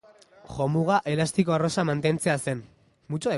Jomuga elastiko arrosa mantentzea zen.